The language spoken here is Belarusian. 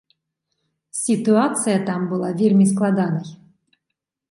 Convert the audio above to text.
Сітуацыя там была вельмі складанай.